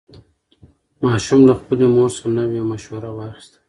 ماشوم له خپلې مور څخه نوې مشوره واخیسته